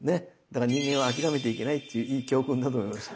だから人間は諦めてはいけないっていういい教訓だと思います。